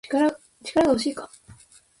力が欲しいか